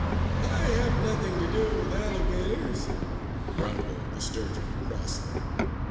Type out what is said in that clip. "I have nothing to do with alligators," grumbled the Sturgeon crossly.